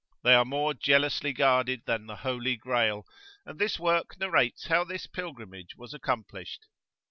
They are more jealously guarded than the "Holy Grail," and this Work narrates how this Pilgrimage was accomplished.